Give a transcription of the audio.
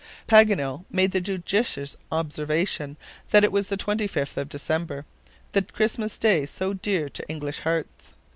Paganel made the judicious observation that it was the 25th of December, the Christmas Day so dear to English hearts.